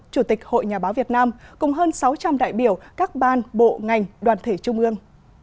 chủ tịch hội nhà báo việt nam cùng hơn sáu trăm linh đại biểu các ban bộ ngành đoàn thể trung ương